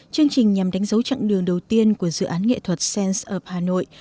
chương trình nhằm đánh dấu chặng đường đầu tiên của dự án nghệ thuật sense of hà nội